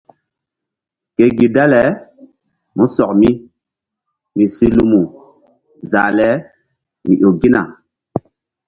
Ke gi dale músɔk mi mi si lumu zah le mi ƴo gina.